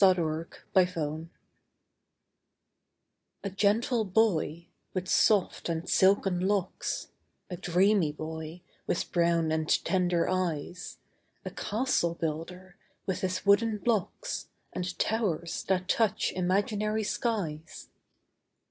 THE CASTLE BUILDER A gentle boy, with soft and silken locks A dreamy boy, with brown and tender eyes, A castle builder, with his wooden blocks, And towers that touch imaginary skies.